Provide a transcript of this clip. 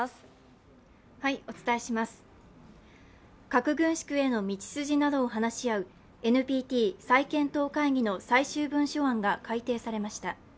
核軍縮への道筋などを話し合うＮＰＴ再検討会議の最終文書案が改定されました。